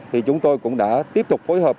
thì chúng tôi cũng đã tiếp tục phối hợp